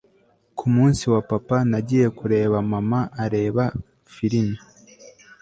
ku munsi wa papa nagiye kureba mama areba firime